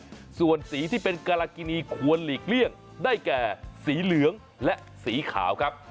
ส่วนสีที่เป็นการากินีควรหลีกเลี่ยงได้แก่สีเหลืองและสีขาวครับ